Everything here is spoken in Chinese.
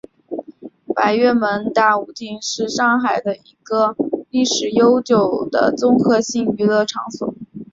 百乐门大舞厅是上海的一个历史悠久的综合性娱乐场所。